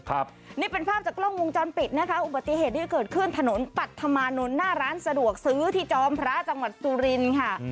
ครับนี่เป็นภาพจากกล้องวงจรปิดนะคะอุบัติเหตุที่เกิดขึ้นถนนปัธมานนท์หน้าร้านสะดวกซื้อที่จอมพระจังหวัดสุรินค่ะ